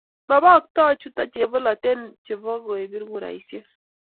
Mabko chuto chebopolatet chebo kepir kuraisiek